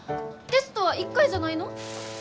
テストは１回じゃないの？